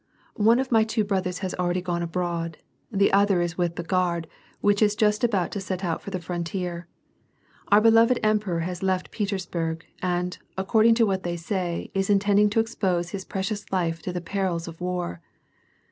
One of my two brothers has already gone abroad ; the other is with the Guard, which is just about to set out for the frontier. Our be lo7ed emperor has left Petersburg, and, according to what they say is intending to expose his precious life to the perils of war.